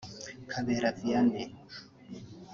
Kabera Vianney